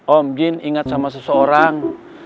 om jin ingat sama seseorang